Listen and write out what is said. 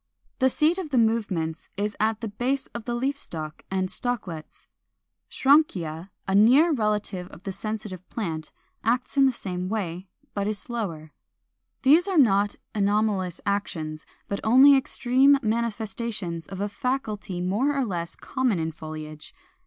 The seat of the movements is at the base of the leaf stalk and stalklets. Schrankia, a near relative of the Sensitive Plant, acts in the same way, but is slower. These are not anomalous actions, but only extreme manifestations of a faculty more or less common in foliage.